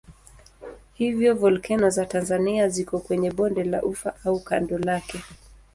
Hivyo volkeno za Tanzania ziko kwenye bonde la Ufa au kando lake.